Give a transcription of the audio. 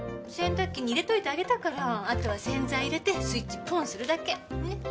洗濯機に入れといてあげたからあとは洗剤入れてスイッチポンするだけ。ね。